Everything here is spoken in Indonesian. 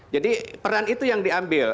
jadi peran itu yang diambil